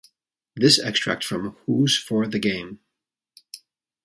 This extract from Who's for the Game?